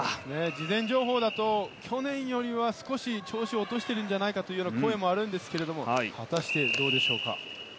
事前情報だと、去年よりは少し調子を落としているんじゃないかという声もあるんですが果たして、どうでしょうか。